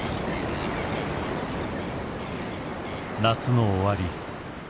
夏の終わり。